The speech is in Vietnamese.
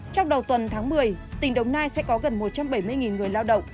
trong đầu tuần tháng một mươi tỉnh đồng nai sẽ có gần một trăm bảy mươi người lao động